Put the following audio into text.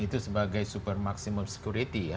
itu sebagai super maksimum security ya